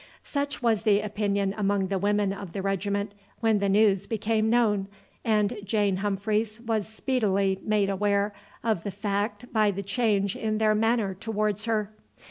Such was the opinion among the women of the regiment when the news became known, and Jane Humphreys was speedily made aware of the fact by the change in their manner towards her.